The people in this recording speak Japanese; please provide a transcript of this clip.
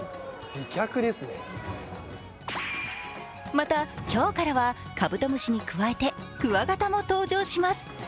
また今日からはカブトムシに加えてクワガタも登場します。